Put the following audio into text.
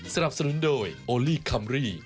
สนับสนุนโดยโอลี่คัมรี่